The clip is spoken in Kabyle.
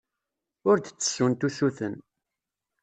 Ur d-ttessunt usuten.